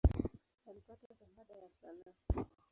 Alipata Shahada ya sanaa.